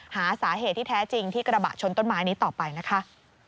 หาสาเหตุที่แท้จริงที่กระบะชนต้นไม้นี้ต่อไปนะคะ